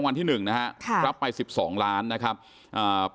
วันที่หนึ่งนะฮะค่ะรับไปสิบสองล้านนะครับอ่า